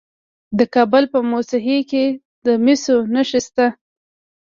د کابل په موسهي کې د مسو نښې شته.